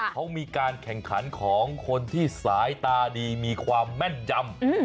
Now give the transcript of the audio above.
เขามีการแข่งขันของคนที่สายตาดีมีความแม่นยำ